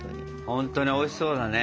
ほんとにおいしそうだね。